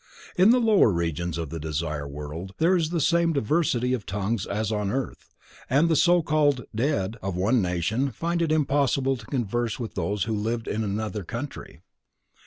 In the lower Regions of the Desire World, there is the same diversity of tongues as on earth, and the so called "dead" of one nation find it impossible to converse with those who lived in another country.